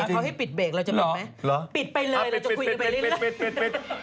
เขาให้ปิดเบรกเราจะบอกไหมปิดไปเลยเราจะคุยกันไปเรื่อยแล้ว